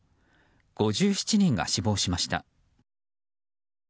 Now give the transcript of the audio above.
５７人が死亡しました。